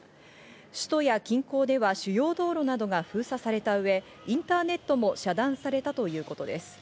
首都や近郊では主要道路などが封鎖された上、インターネットも遮断されたということです。